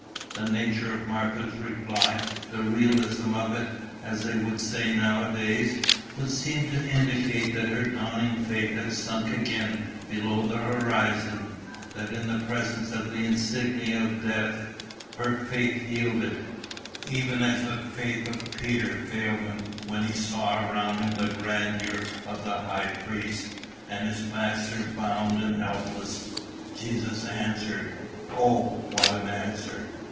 The nature of Martha's reply the realism of it, as they would say now a days would seem to indicate that her dawning faith had sunk again below the horizon, that in the presence of the insignia of death, her faith yielded, even as the faith of Peter failed him when he saw around him the grandeur of the high priest, and his Master bound and helpless. Jesus answered O, what an answer!